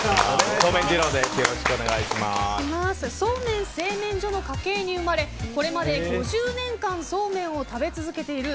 そうめん製麺所の家系に生まれこれまで５０年間そうめんを食べ続けている